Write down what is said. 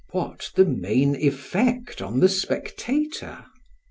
what the main effect on the spectator?